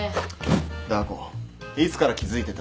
ダー子いつから気付いてた？